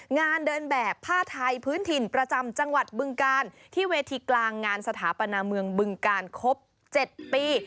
งานเดินแบบผ้าไทยพื้นถิ่นประจำจังหวัดบึงกาลที่เวทีกลางงานสถาปนาเมืองบึงกาลครบ๗ปี